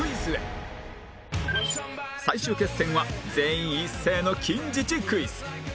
最終決戦は全員一斉の近似値クイズ